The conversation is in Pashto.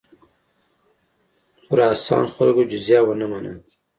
خراسان خلکو جزیه ونه منله.